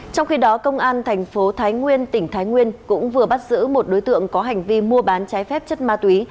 trong khi đó công an thành phố thái nguyên tỉnh thái nguyên cũng vừa bắt giữ một đối tượng có hành vi mua bán trái phép chất ma túy